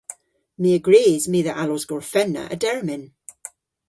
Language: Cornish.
My a grys my dhe allos gorfenna a-dermyn.